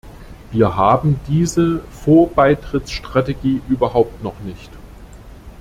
Wir haben diese Vorbeitrittsstrategie überhaupt noch nicht.